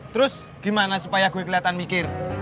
terus gimana supaya gue kelihatan mikir